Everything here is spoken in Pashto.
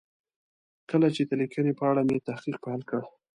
کله چې د لیکنې په اړه مې تحقیق پیل کړ.